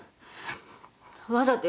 「わざとよ